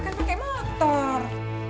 kan pake motor